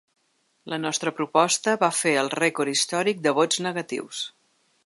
La nostra proposta va fer el rècord històric de vots negatius.